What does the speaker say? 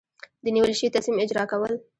د نیول شوي تصمیم اجرا کول.